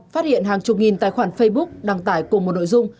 phát hiện hàng chục nghìn tài khoản facebook đăng tải cùng một nội dung